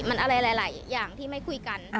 มันอะไรหลายอย่างที่ไม่คุยกัน